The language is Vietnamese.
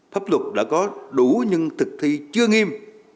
pháp luật đã có đủ nhưng thực thi chưa nghiêm